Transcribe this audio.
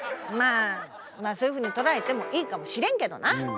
まあそういうふうに捉えてもいいかもしれんけどな。